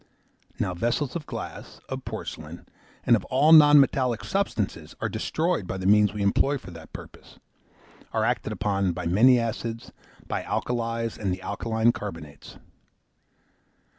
Now vessels of glass, of porcelain, and of all non metallic substances, are destroyed by the means we employ for that purpose, are acted upon by many acids, by alkalies and the alkaline carbonates.